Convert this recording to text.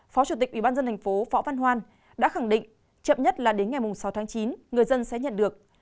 phó chủ tịch ubnd tp võ văn hoan đã khẳng định chậm nhất là đến ngày sáu tháng chín người dân sẽ nhận được